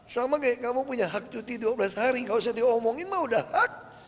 sama kayak kamu punya hak cuti dua belas hari gak usah diomongin mah udah kan